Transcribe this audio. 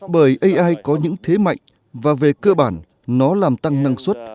bởi ai có những thế mạnh và về cơ bản nó làm tăng năng suất